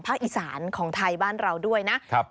ภาคอีสานของไทยบ้านเราด้วยนะ